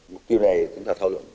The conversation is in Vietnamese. mục tiêu này chúng ta thảo luận